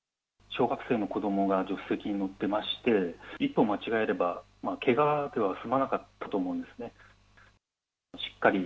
小学生の子どもが助手席に乗ってまして、一歩間違えれば、けがでは済まなかったと思うんですね。